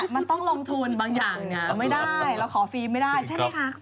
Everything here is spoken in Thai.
มันต้องลงทุนบางอย่างเนี่ยเราไม่ได้เราขอฟิล์มไม่ได้ใช่ไหมคะ